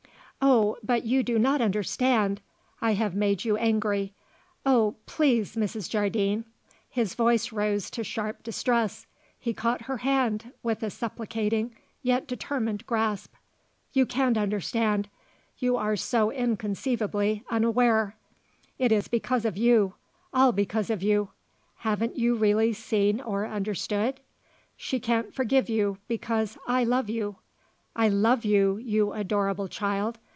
"Oh, but you do not understand! I have made you angry! Oh, please, Mrs. Jardine;" his voice rose to sharp distress. He caught her hand with a supplicating yet determined grasp. "You can't understand. You are so inconceivably unaware. It is because of you; all because of you. Haven't you really seen or understood? She can't forgive you because I love you. I love you, you adorable child.